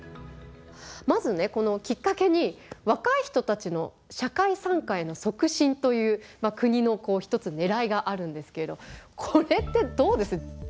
まずねこのきっかけに若い人たちの社会参加への促進という国の一つねらいがあるんですけれどこれってどうです？